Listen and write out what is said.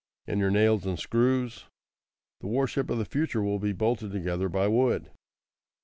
"And your nails and screws?" "The warship of the future will be bolted together by wood."